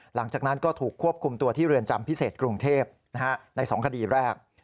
หลังจากนั้นก็ถูกควบคุมตัวที่เรือนจำพิเศษกรุงเทพใน๒คดีแรก